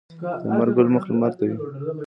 د لمر ګل مخ لمر ته وي.